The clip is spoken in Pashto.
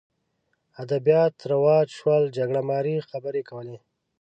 ادبیات رواج شول جګړه مارۍ خبرې کولې